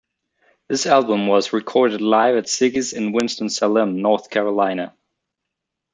This album was recorded live at Ziggy's in Winston-Salem, North Carolina.